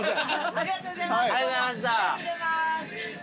ありがとうございます。